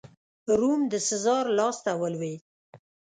روم د سزار لاسته ولوېد.